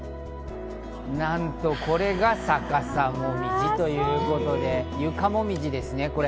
なんとこれが逆さモミジ。ということで床モミジですね。